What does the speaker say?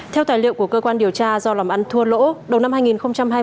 theo tài liệu của cơ quan điều tra do làm ăn thua lỗ đầu năm hai nghìn hai mươi